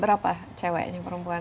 berapa ceweknya perempuan